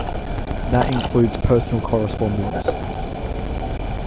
That includes personal correspondence.